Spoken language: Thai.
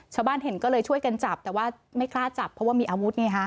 ชาวบ้านเห็นก็เลยช่วยกันจับแต่ว่าไม่กล้าจับเพราะว่ามีอาวุธไงฮะ